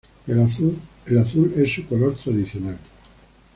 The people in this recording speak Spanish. El azul es su color tradicional.